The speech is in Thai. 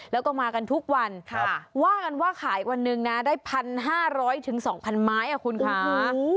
แล้วก็มากันทุกวันว่ากันว่าขายวันหนึ่งนะได้๑๕๐๐๒๐๐ไม้คุณคะ